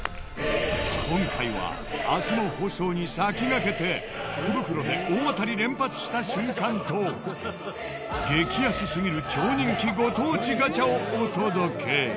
今回は明日の放送に先駆けて福袋で大当たり連発した瞬間と激安すぎる超人気ご当地ガチャをお届け。